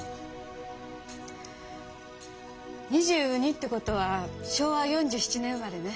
２２ってことは昭和４７年生まれね。